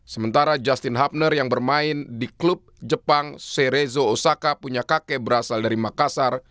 sementara justin hubner yang bermain di klub jepang serezo osaka punya kakek berasal dari makassar